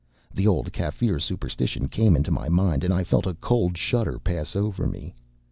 The old Kaffir superstition came into my mind, and I felt a cold shudder pass over me.